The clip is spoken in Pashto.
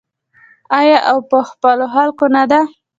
آیا او په خپلو خلکو نه ده؟